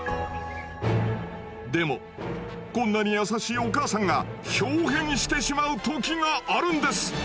でもこんなに優しいお母さんがひょう変してしまう時があるんです。